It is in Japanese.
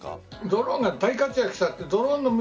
ドローンが大活躍したって。